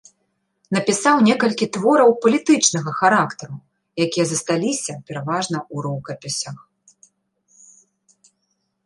Напісаў некалькі твораў палітычнага характару, якія засталіся пераважна ў рукапісах.